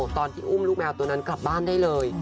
ตอนที่อุ้มลูกแมวตัวนั้นกลับบ้านได้เลย